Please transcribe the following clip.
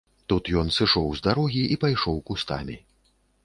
Тут ён сышоў з дарогі і пайшоў кустамі.